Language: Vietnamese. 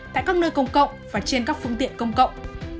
tại các nơi công cộng và trên các phương tiện công cộng